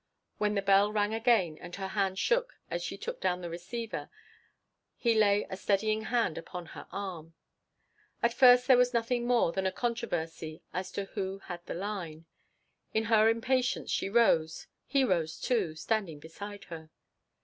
When the bell rang again and her hand shook as it took down the receiver he lay a steadying hand upon her arm. At first there was nothing more than a controversy as to who had the line. In her impatience, she rose; he rose, too, standing beside her.